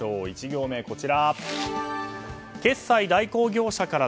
１行目、こちら。